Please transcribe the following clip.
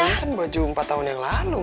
ini kan baju empat tahun yang lalu